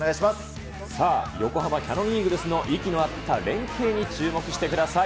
さあ、横浜キヤノンイーグルスの息の合った連係に注目してください。